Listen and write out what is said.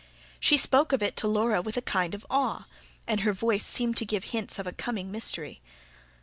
She spoke of it to Laura with a kind of awe; and her voice seemed to give hints of a coming mystery.